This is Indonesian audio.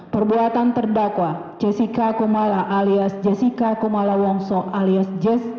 perbuatan terdakwa jessica kumala alias jessica kumala wongso alias jess